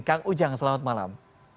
kang ujang selamat malam